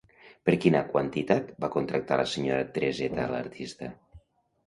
Per quina quantitat va contractar la senyora Tereseta a l'artista?